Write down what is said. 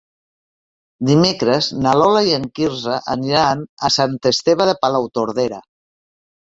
Dimecres na Lola i en Quirze aniran a Sant Esteve de Palautordera.